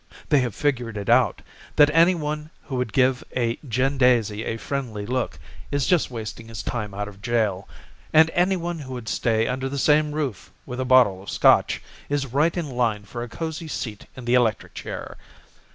They have it figured out That anyone who would give a gin daisy a friendly look Is just wasting time out of jail, And anyone who would stay under the same roof With a bottle of Scotch Is right in line for a cozy seat in the electric chair.